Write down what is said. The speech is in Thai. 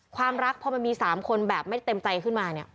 ความรักพอมันมี๓คนแบบไม่เต็มใจขึ้นมาเนี่ย